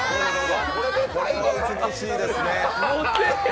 これは美しいですね。